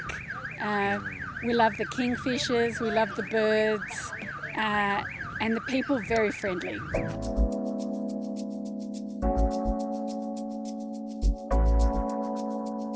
kita suka ikan raja kita suka anjing dan orang orangnya sangat baik